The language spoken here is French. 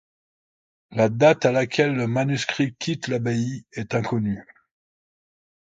La date à laquelle le manuscrit quitte l'abbaye est inconnue.